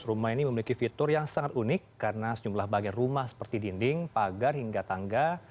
rumah ini memiliki fitur yang sangat unik karena sejumlah bagian rumah seperti dinding pagar hingga tangga